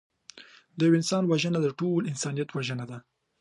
د یوه انسان وژنه د ټول انسانیت وژنه ده